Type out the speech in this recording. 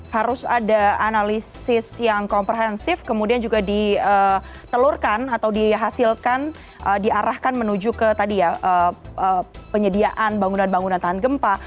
harus ada analisis yang komprehensif kemudian juga ditelurkan atau dihasilkan diarahkan menuju ke tadi ya penyediaan bangunan bangunan tahan gempa